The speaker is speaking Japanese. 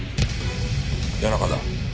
谷中だ。